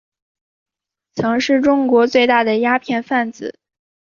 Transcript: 曾经是中国最大的鸦片贩子。